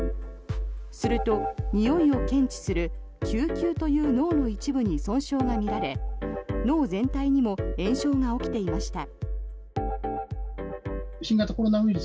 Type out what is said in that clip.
すると、においを検知する嗅球という脳の一部に損傷が見られ、脳全体にも炎症が起きていました。